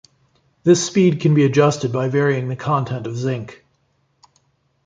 This speed can be adjusted by varying the content of zinc.